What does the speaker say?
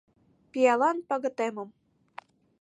Пиалан пагытемым